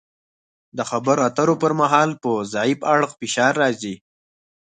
د خبرو اترو پر مهال په ضعیف اړخ فشار راځي